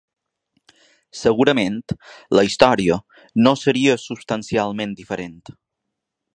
Segurament, la història no seria substancialment diferent.